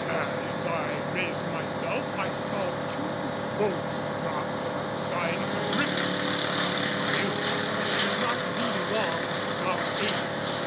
As I raised myself I saw two boats drop from the side of the Griffin and knew I should not long be without aid.